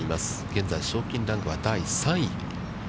現在、賞金ランクは第３位。